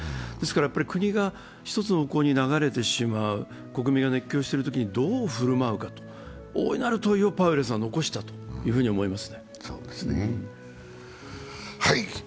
国が一つの方向に流れてしまう、国民が熱狂しているときにどう振る舞うか、大いなる問いをパウエルさんは残したと思います。